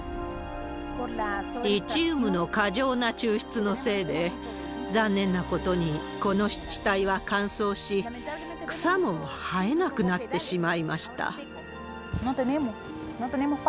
リチウムの過剰な抽出のせいで、残念なことに、この湿地帯は乾燥し、草も生えなくなってしまいました。